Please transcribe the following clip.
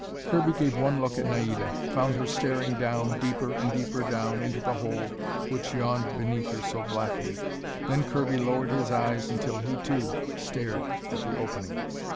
Kirby gave one look at Naida, found her staring down, deeper and deeper down, into the hole which yawned beneath her so blackly. Then Kirby lowered his eyes until he, too, stared at the opening.